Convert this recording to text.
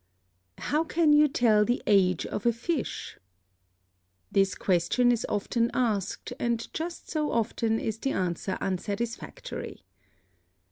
How can you tell the age of a fish? This question is often asked and just so often is the answer unsatisfactory.